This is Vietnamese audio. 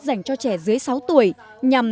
dành cho trẻ dưới sáu tuổi nhằm